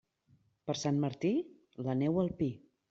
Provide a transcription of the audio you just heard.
Per Sant Martí, la neu al pi.